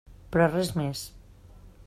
Però res més.